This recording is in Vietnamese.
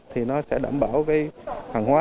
thì nó sẽ đảm bảo cái hàng hóa